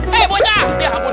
hei bocah ya ampun